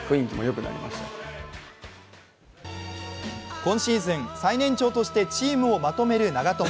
今シーズン、最年長としてチームをまとめる長友。